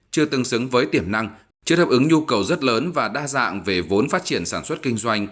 chưa tương xứng với tiềm năng chưa đáp ứng nhu cầu rất lớn và đa dạng về vốn phát triển sản xuất kinh doanh